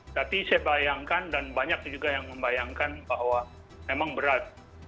tapi saya bayangkan dan banyak juga yang membayangkan bahwa memang berat